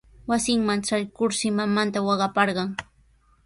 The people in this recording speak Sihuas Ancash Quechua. Wasinman traykurshi mamanta waqaparqan.